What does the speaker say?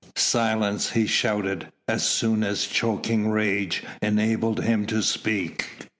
"Silence!" he shouted, as soon as choking rage enabled him to speak.